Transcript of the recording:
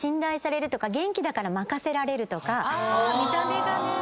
見た目がね。